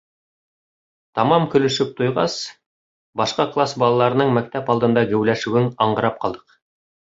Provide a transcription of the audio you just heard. Тамам көлөшөп туйғас, башҡа класс балаларының мәктәп алдында геүләшеүен аңғарып ҡалдыҡ.